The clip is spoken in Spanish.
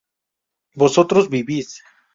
vosotros vivís